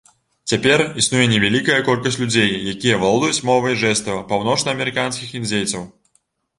Цяпер існуе невялікая колькасць людзей, якія валодаюць мовай жэстаў паўночнаамерыканскіх індзейцаў.